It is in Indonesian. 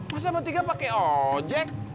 masa bertiga pake ojek